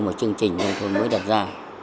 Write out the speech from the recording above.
mà chương trình chúng tôi mới đặt ra